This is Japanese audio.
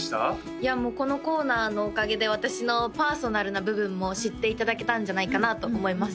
いやもうこのコーナーのおかげで私のパーソナルな部分も知っていただけたんじゃないかなと思います